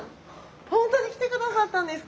本当に来てくださったんですか！